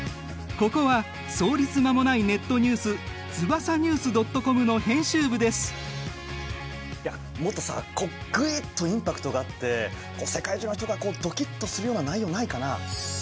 ここは創立間もないネットニュースいやもっとさあこうグイッとインパクトがあって世界中の人がこうドキッとするような内容ないかな？